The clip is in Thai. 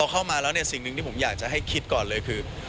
เข้ามาแล้วเนี่ยสิ่งหนึ่งที่ผมอยากจะให้คิดก่อนเลยคือ